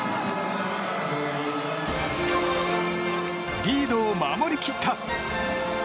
リードを守り切った！